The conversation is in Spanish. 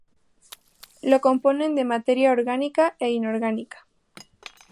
Lo componen materia orgánica e inorgánica.